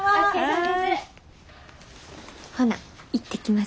ほな行ってきます。